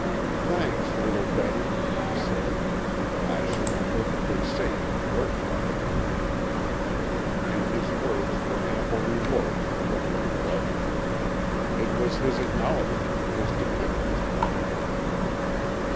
"Thanks, little Betty," he said. "I shall be perfectly safe in your charge." And his words were ample reward to the woman who loved him. It was his acknowledgment of his dependence upon her.